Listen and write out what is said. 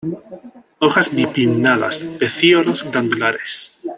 Hojas bipinnadas; pecíolos glandulares.